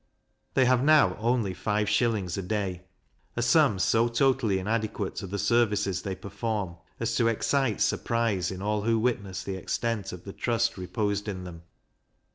They have now only five shillings a day; a sum so totally inadequate to the services they perform, as to excite surprize in all who witness the extent of the trust reposed in them.